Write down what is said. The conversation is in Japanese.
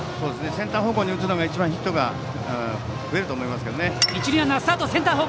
センター方向に打つのが一番ヒットが出ると思いますけどね。